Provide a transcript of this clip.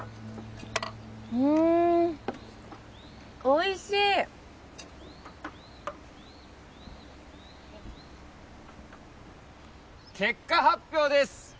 うんおいしい結果発表です